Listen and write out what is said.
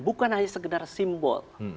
bukan hanya sekedar simbol